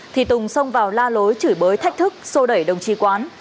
thì tùng xông vào la lối chửi bới thách thức xô đẩy đồng trí quán